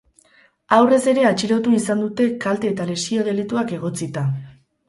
Aurrez ere atxilotu izan dute kalte eta lesio delituak egotzita.